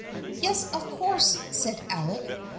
" Yes, of course," said Alec.